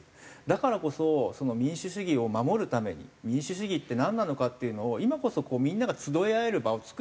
だからこそその民主主義を守るために民主主義ってなんなのかっていうのを今こそみんなが集い合える場を作るべきだったんですね。